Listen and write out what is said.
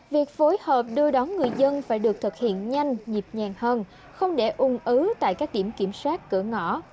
việc phối hợp đưa đón người dân phải được thực hiện nhanh nhịp nhàng hơn không để ung ứ tại các điểm kiểm soát cửa ngõ